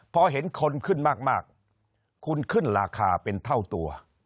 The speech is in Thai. พอเห็นคนขึ้นมากคุณขึ้นราคาเป็นเท่าตัว